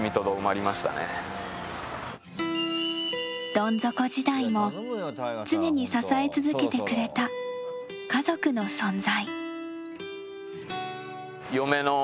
どん底時代も、常に支え続けてくれた家族の存在。